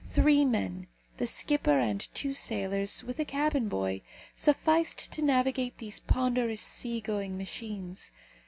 Three men, the skipper and two sailors, with a cabin boy, sufficed to navigate these ponderous sea going machines.